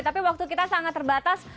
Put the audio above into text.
tapi waktu kita sangat terbatas